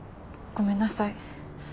ごめんなさい。